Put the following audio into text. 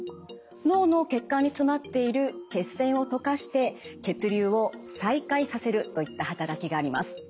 脳の血管に詰まっている血栓を溶かして血流を再開させるといった働きがあります。